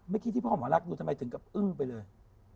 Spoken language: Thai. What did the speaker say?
ที่พ่อหมอรักดูทำไมถึงกับอึ้งไปเลย